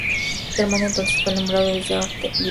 Germán, entonces, fue nombrado conde de Ortenau y Brisgovia.